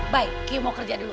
baik ki mau kerja dulu